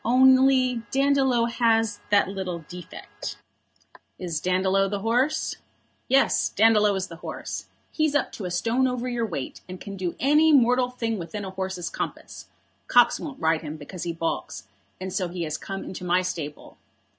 Only Dandolo has that little defect." "Is Dandolo the horse?" "Yes; Dandolo is the horse. He's up to a stone over your weight, and can do any mortal thing within a horse's compass. Cox won't ride him because he baulks, and so he has come into my stable.